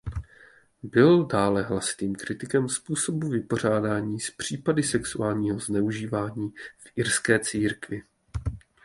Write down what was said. Byl dále hlasitým kritikem způsobu vypořádání s případy sexuálního zneužívání v irské církvi.